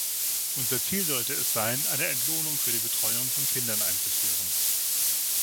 Unser Ziel sollte es sein, eine Entlohnung für die Betreuung von Kindern einzuführen.